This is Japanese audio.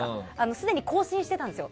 すでに更新してたんですよ。